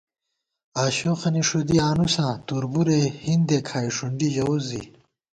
آشوخَنی ݭُدِی آنُوساں تُربُرے ، ہِندے کھائی ݭُنڈی ژَوُس زِی